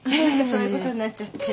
そういうことになっちゃって。